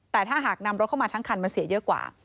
แต่ถ้าหากนำรถเข้ามาทั้งคันมันเสียเยอะกว่า